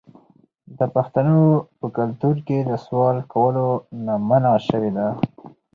د پښتنو په کلتور کې د سوال کولو نه منع شوې ده.